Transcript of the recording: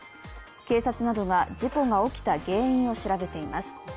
警察などが事故が起きた原因を調べています。